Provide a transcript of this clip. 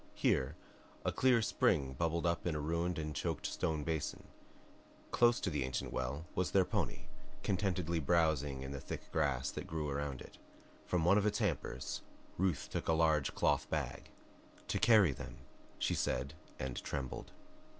Here a clear spring bubbled up in a ruined and choked stone basin; close to the ancient well was their pony, contentedly browsing in the thick grass that grew around it. From one of its hampers Ruth took a large cloth bag. "To carry them," she said, and trembled.